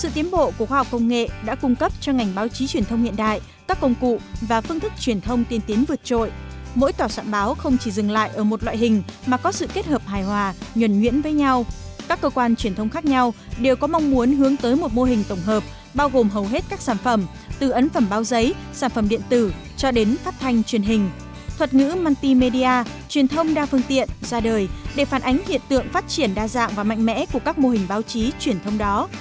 thuật ngữ multimedia truyền thông đa phương tiện ra đời để phản ánh hiện tượng phát triển đa dạng và mạnh mẽ của các mô hình báo chí truyền thông đó